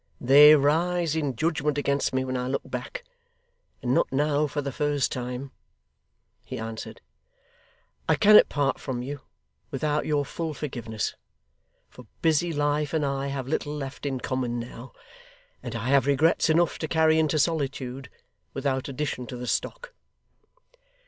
'They rise in judgment against me when I look back, and not now for the first time,' he answered. 'I cannot part from you without your full forgiveness; for busy life and I have little left in common now, and I have regrets enough to carry into solitude, without addition to the stock.